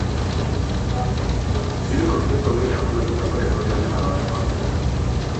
Hiru kontzeptu hauek kalkulatutako errorearen araberakoak dira.